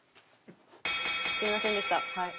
すいませんでしたはい。